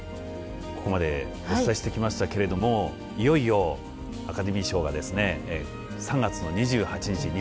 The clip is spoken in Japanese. ここまでお伝えしてきましたけれどもいよいよアカデミー賞がですね３月の２８日